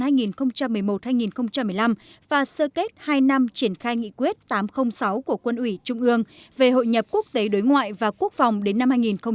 hội nghị tổng kết công tác đối ngoại quốc phòng giai đoạn hai nghìn một mươi một hai nghìn một mươi năm và sơ kết hai năm triển khai nghị quyết tám trăm linh sáu của quân ủy trung ương về hội nhập quốc tế đối ngoại và quốc phòng đến năm hai nghìn hai mươi